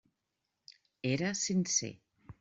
Era sincer.